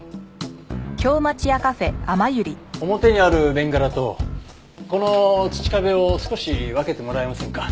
表にあるベンガラとこの土壁を少し分けてもらえませんか？